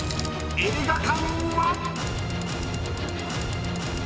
映画館は⁉］